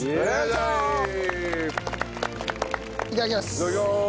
いただきます。